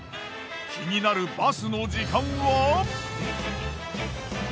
気になるバスの時間は？